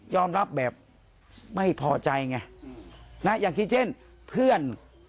รับแบบไม่พอใจไงนะอย่างที่เช่นเพื่อน